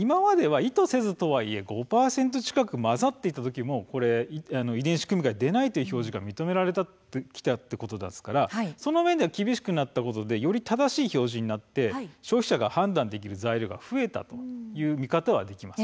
今まで５％近く混ざっていた時も「遺伝子組み換えでない」という表示が認められていたのでその面では厳しくなったことでより正しい表示になって消費者が判断できる材料が増えたという見方はできます。